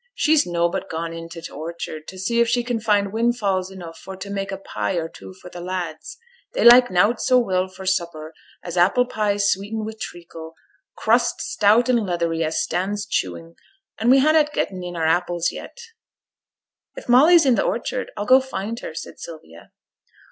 She's nobbut gone int' t' orchard, to see if she can find wind falls enough for t' make a pie or two for t' lads. They like nowt so weel for supper as apple pies sweetened wi' treacle, crust stout and leathery, as stands chewing, and we hannot getten in our apples yet.' 'If Molly is in t' orchard, I'll go find her,' said Sylvia.